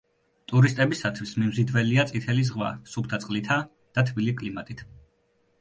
ტურისტებისათვის მიმზიდველია წითელი ზღვა, სუფთა წყლითა და თბილი კლიმატით.